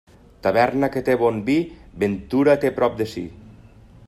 Taverna que té bon vi, ventura té prop de si.